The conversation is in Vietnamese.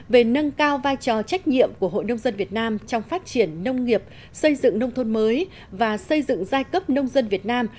về nâng cao vai trò trách nhiệm của hội nông dân việt nam trong phát triển nông nghiệp xây dựng nông thôn mới và xây dựng giai cấp nông dân việt nam